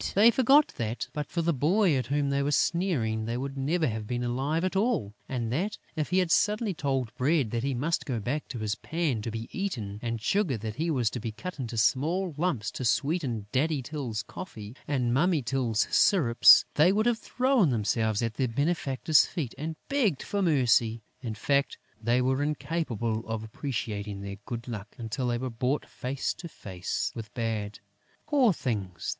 They forgot that, but for the boy at whom they were sneering, they would never have been alive at all; and that, if he had suddenly told Bread that he must go back to his pan to be eaten and Sugar that he was to be cut into small lumps to sweeten Daddy Tyl's coffee and Mummy Tyl's syrups, they would have thrown themselves at their benefactor's feet and begged for mercy. In fact, they were incapable of appreciating their good luck until they were brought face to face with bad. Poor things!